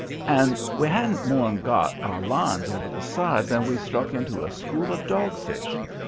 And we hadn't more'n got our lines over the side than we struck into a school of dogfish.